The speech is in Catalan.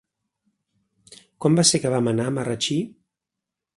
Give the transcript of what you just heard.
Quan va ser que vam anar a Marratxí?